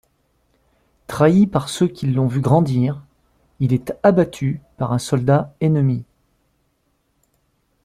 Trahi par ceux qui l'ont vu grandir, il est abattu par un soldat ennemi.